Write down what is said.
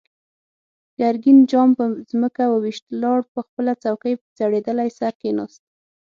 ګرګين جام پر ځمکه و ويشت، لاړ، په خپله څوکۍ زړېدلی سر کېناست.